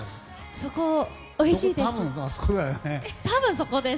そこ、おいしいです！